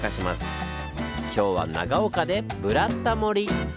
今日は長岡で「ブラタモリ」！